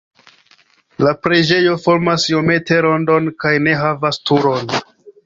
La preĝejo formas iomete rondon kaj ne havas turon.